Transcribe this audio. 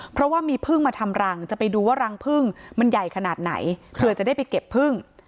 เพราะว่ามีพึ่งมาทำรังจะไปดูว่ารังพึ่งมันใหญ่ขนาดไหนเผื่อจะได้ไปเก็บพึ่ง